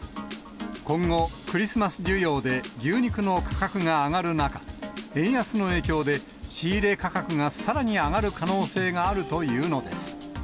今後、クリスマス需要で牛肉の価格が上がる中、円安の影響で、仕入れ価格がさらに上がる可能性があるというのです。